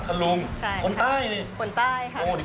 พัทธลุงคนใต้นี่